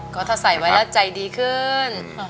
ก็ถ้าใส่ไว้แล้วใจดีขึ้น